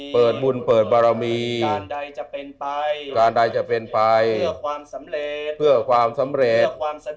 เปิดบุญเปิดบารมีการใดจะเป็นไปเพื่อความสำเร็จ